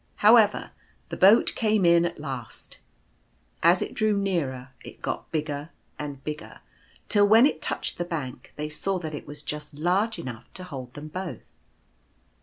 However, the boat came in at last. As it drew nearer, it got bigger and bigger, till when it touched the bank, they saw that it was just large enough to hold them both.